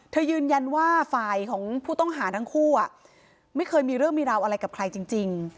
ยืนยันว่าฝ่ายของผู้ต้องหาทั้งคู่ไม่เคยมีเรื่องมีราวอะไรกับใครจริง